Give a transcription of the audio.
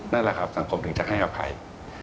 นั่นแหละครับสังคมถึงจะให้อภัย